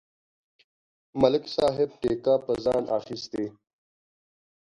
ملک صاحب ټېکه په ځان اخستې.